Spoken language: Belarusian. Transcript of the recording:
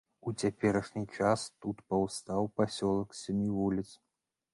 У цяперашні час тут паўстаў пасёлак з сямі вуліц.